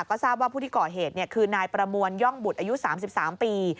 ก็ทราบว่าผู้ที่ก่อเหตุคือนายประมวลย่องบุตรอายุ๓๓ปี